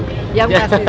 yang pasti seru